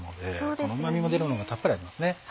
このうま味も出るのがたっぷりありますね。